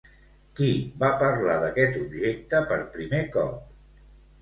Qui va parlar d'aquest objecte per primer cop?